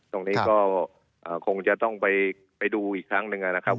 ตรงนี้ก็คงจะต้องไปดูอีกครั้งหนึ่งนะครับ